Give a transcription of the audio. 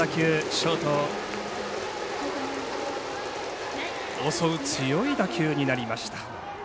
ショートを襲う強い打球になりました。